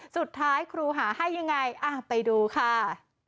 สุดท้ายครูหาให้ยังไงไปดูค่ะ